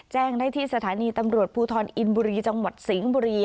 แจ้งได้ที่สถานีตำรวจภูทรอินบุรีจังหวัดสิงห์บุรี